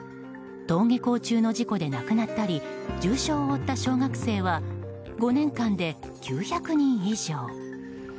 登下校中の事故で亡くなったり重傷を負った小学生は５年間で９００人以上。